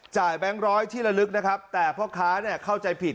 แบงค์ร้อยที่ละลึกนะครับแต่พ่อค้าเนี่ยเข้าใจผิด